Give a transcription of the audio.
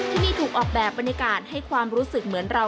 ที่นี่ถูกออกแบบบรรยากาศให้ความรู้สึกเหมือนเรา